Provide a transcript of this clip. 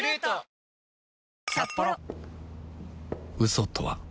嘘とは